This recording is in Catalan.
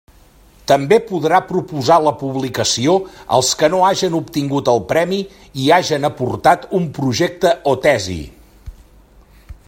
També podrà proposar la publicació als que no hagen obtingut el premi i hagen aportat un projecte o tesi.